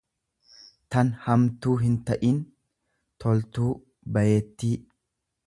tan hamtuu hinta'in, toltuu, bayeettii.